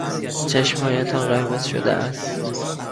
چشمهایتان قرمز شده است.